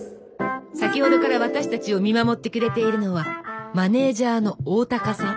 先ほどから私たちを見守ってくれているのはマネージャーの大高さん。